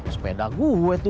sepeda gua itu